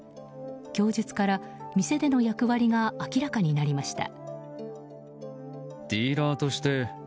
供述から店での役割が明らかになりました。